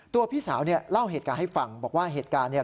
พี่สาวเนี่ยเล่าเหตุการณ์ให้ฟังบอกว่าเหตุการณ์เนี่ย